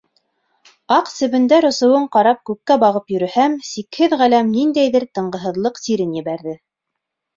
Аҡ себендәр осоуын ҡарап күккә бағып йөрөһәм, сикһеҙ ғаләм ниндәйҙер тынғыһыҙлыҡ сирен ебәрҙе.